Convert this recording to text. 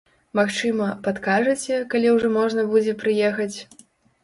Магчыма, падкажаце, калі ўжо можна будзе прыехаць?